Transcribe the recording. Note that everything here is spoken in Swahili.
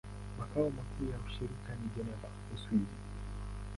Makao makuu ya shirika ni Geneva, Uswisi.